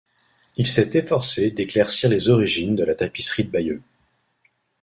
Il s’est efforcé d’éclaircir les origines de la tapisserie de Bayeux.